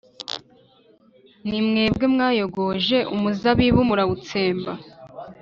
Ni mwebwe mwayogoje umuzabibu murawutsemba,